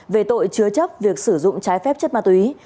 về tội chứa chấp việc sử dụng trái phép chất ma túy